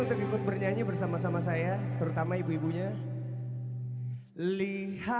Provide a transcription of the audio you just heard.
kupikku di sini